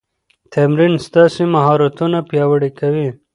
تمرین ستاسو مهارتونه پیاوړي کوي.